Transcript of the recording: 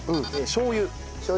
しょう油。